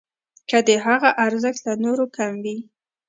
که د هغه ارزښت له نورو کم وي.